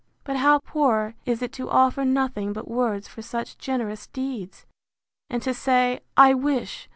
—But how poor is it to offer nothing but words for such generous deeds!—And to say, I wish!